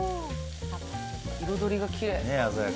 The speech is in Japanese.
彩りがきれい。